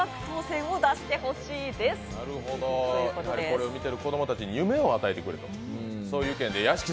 これを見ている子供たちに夢を与えてくれと。